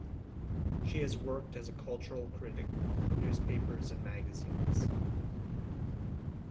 She has worked as a cultural critic for newspapers and magazines.